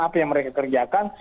apa yang mereka kerjakan